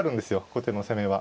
後手の攻めは。